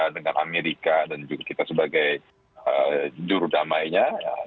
dengan amerika dan juga kita sebagai jurudamainya